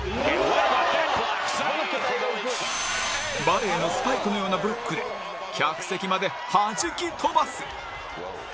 バレーのスパイクのようなブロックで客席まで弾き飛ばす